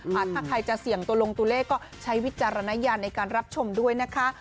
ถ้าใครจะเสี่ยงตัวลงตัวเลขก็ใช้วิจารณญาณในการรับชมด้วยนะคะ